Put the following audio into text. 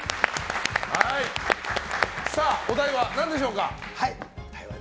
お題は何でしょうか？